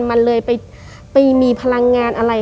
มันเลยไปมีพลังงานอะไร